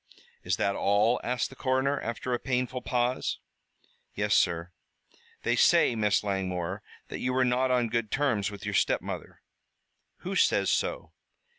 "Is that all?" asked the coroner, after a painful pause. "Yes, sir." "They say, Miss Langmore, that you were not on good terms with your stepmother." "Who says so?"